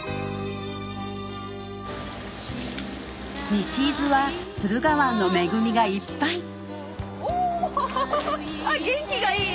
西伊豆は駿河湾の恵みがいっぱいお元気がいい！